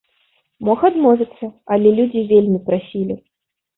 Мог адмовіцца, але людзі вельмі прасілі.